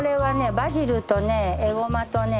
バジルとねエゴマとね